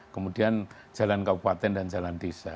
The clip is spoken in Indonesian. kemudian jalan kabupaten dan jalan desa